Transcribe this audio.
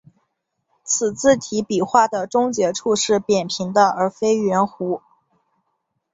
此字体笔画的终结处是扁平的而非圆弧。